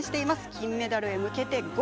金メダルへ向けてゴー！